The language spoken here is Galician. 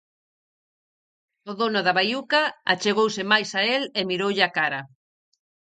O dono da baiuca achegouse máis a el e miroulle a cara.